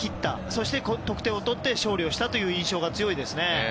そして得点を取って勝利したという印象が強いですね。